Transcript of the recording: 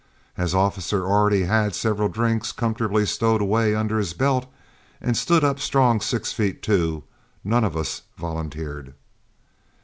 As Officer already had several drinks comfortably stowed away under his belt, and stood up strong six feet two, none of us volunteered.